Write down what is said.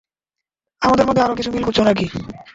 আমাদের মধ্যে আরো কিছু মিল খুজঁছো নাকি।